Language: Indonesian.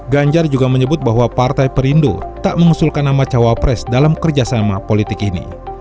ganjar juga menyebut bahwa partai perindo tak mengusulkan nama cawapres dalam kerjasama politik ini